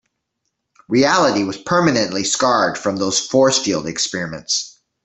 Reality was permanently scarred from those force field experiments.